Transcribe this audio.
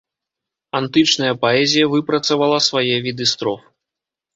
Антычная паэзія выпрацавала свае віды строф.